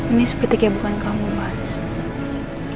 ini seperti kayak bukan kamu maju